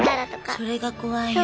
それが怖いよね。